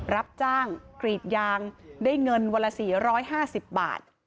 รับจ้างกรีดยางได้เงินวันละ๔๕๐บาท